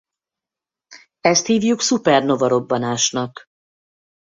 Ezt hívjuk Szupernóva robbanásnak.